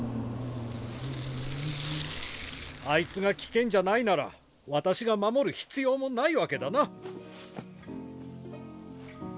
あいつが危険じゃないなら私が守る必要もないわけだな。